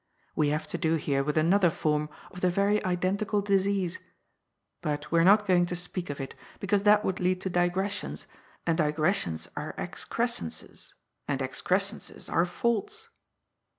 We have to do here with another form of the very identical disease, but we are not going to speak of it, because that would lead to digressions, and digressions are excrescences, and excrescences are faults.